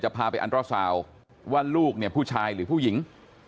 พาไปอันตราซาวว่าลูกเนี่ยผู้ชายหรือผู้หญิง